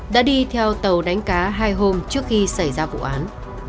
đã đi theo tàu đánh cá hai hôm trước khi xảy ra vụ án